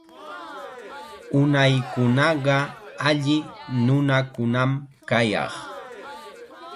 Unaykunaqa alli nunakunam kayaq.